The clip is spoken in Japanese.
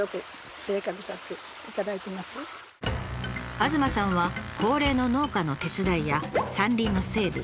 東さんは高齢の農家の手伝いや山林の整備